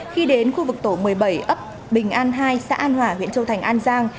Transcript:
khi đến khu vực tổ một mươi bảy ấp bình an hai xã an hòa huyện châu thành an giang